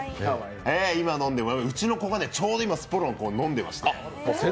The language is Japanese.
今飲んでも、うちの子がちょうどスポロン飲んでまして。